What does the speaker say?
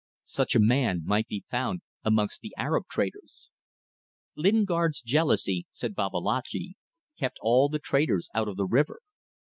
Such a man might be found amongst the Arab traders. Lingard's jealousy, said Babalatchi, kept all the traders out of the river.